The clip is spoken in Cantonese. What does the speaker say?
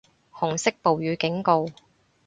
紅色暴雨警告